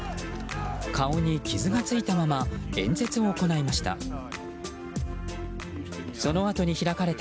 顔に傷がついたまま演説を行いました。